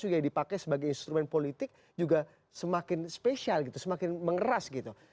yang dipakai sebagai instrumen politik juga semakin spesial gitu semakin mengeras gitu